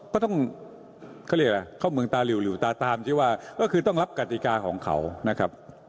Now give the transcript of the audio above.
เข้าเมืองตาหรือหรือตาตามคือต้องรับกฎิกาของเขานะครับ